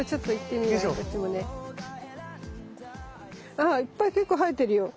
あっいっぱい結構生えてるよ。